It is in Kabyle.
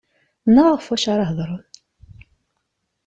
Neɣ ɣef wacu ara hedren.